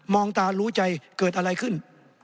องตารู้ใจเกิดอะไรขึ้น